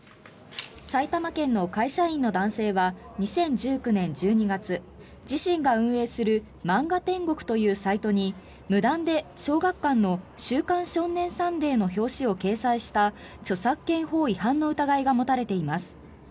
埼玉県の会社員の男性は２０１９年１２月自身が運営する漫画天国というサイトに無断で小学館の「週刊少年サンデー」の表紙を掲載した著作権法違反の疑いが持たれています。